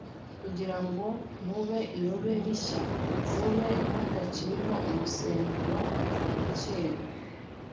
kugira ngo mube irobe rishya; mube mutakirimo umusemburo wa kera.”